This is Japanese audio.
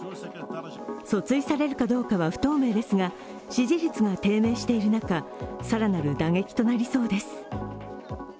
訴追されるかどうかは不透明ですが、支持率が低迷している中、更なる打撃となりそうです。